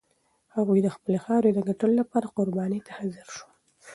هغوی د خپلې خاورې د ګټلو لپاره قربانۍ ته حاضر شول.